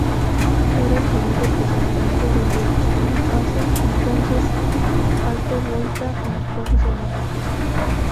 Era el primer representante de Burkina Faso, entonces Alto Volta en los Juegos Olímpicos.